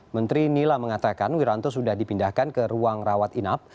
menteri nila mengatakan wiranto sudah dipindahkan ke ruang rawat inap